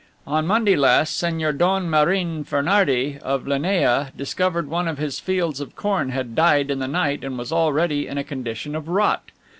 'On Monday last, Señor Don Marin Fernardey, of La Linea, discovered one of his fields of corn had died in the night and was already in a condition of rot.